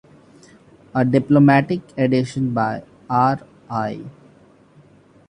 A diplomatic edition by R. I.